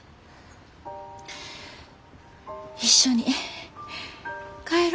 一緒に帰ろ。